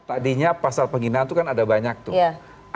tadinya pasal penghinaan itu kan ada banyak tuh